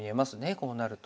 こうなると。